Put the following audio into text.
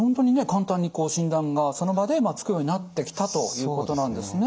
簡単に診断がその場でつくようになってきたということなんですね。